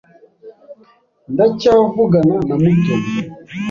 Ndacyavugana na Mutoni.